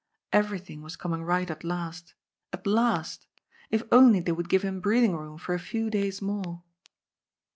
Everything was coming right at last, at last. If only they would give him breathing room for a few days more.